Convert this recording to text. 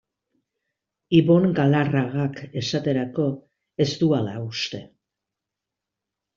Ibon Galarragak, esaterako, ez du hala uste.